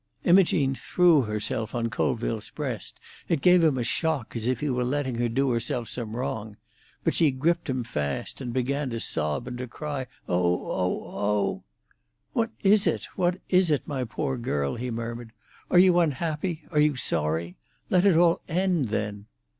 Imogene threw herself on Colville's' breast. It gave him a shock, as if he were letting her do herself some wrong. But she gripped him fast, and began to sob and to cry. "Oh! oh! oh!" "What is it?—what is it, my poor girl?" he murmured. "Are you unhappy? Are you sorry? Let it all end, then!"